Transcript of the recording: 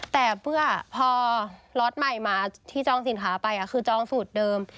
แต่เพื่อพอล็อตใหม่มาที่จองสินค้าไปคือจองสูตรเดิม